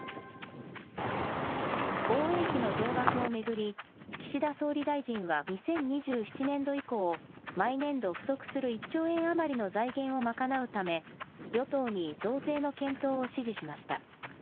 防衛費の増額を巡り、岸田総理大臣は２０２７年度以降、毎年度不足する１兆円余りの財源を賄うため、与党に増税の検討を指示しました。